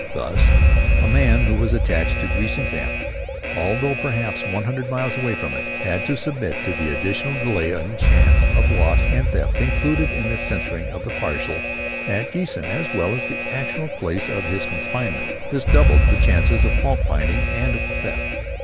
Thus, a man who was "attached" to Giessen camp, although perhaps one hundred miles away from it, had to submit to the additional delay and chance of loss and theft included in the censoring of the parcel at Giessen as well as at the actual place of his confinement. This doubled the chances of fault finding and of theft.